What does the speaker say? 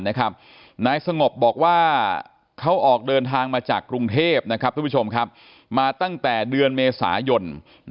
นายสงบบอกว่าเขาออกเดินทางมาจากกรุงเทพฯมาตั้งแต่เดือนเมษายน